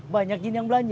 banyak jin yang belanja